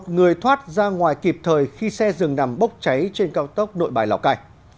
một mươi một người thoát ra ngoài kịp thời khi xe rừng nằm bốc cháy trên cao tốc nội bài lào cai